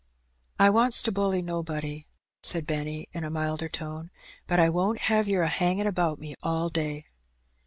"I wants to bully nobody," said Benny, in a milder tone; "but I won't have yer a hangin' about me all day."